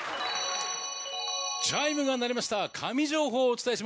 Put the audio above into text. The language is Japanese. チャイムが鳴りました神情報をお伝えしましょう。